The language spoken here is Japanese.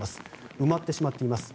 埋まってしまっています。